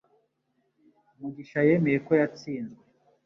Mugisha yemeye ko yatsinzwe.